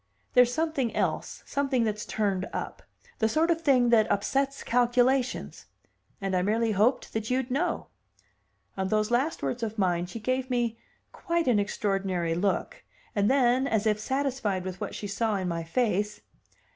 "There's something else, something that's turned up; the sort of thing that upsets calculations. And I merely hoped that you'd know." On those last words of mine she gave me quite an extraordinary look, and then, as if satisfied with what she saw in my face.